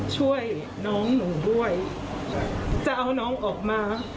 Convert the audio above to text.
ช่วยน้องหนูด้วยจะเอาน้องออกมา